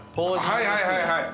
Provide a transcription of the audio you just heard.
はいはいはいはい。